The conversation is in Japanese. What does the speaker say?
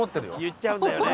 言っちゃうんだよね。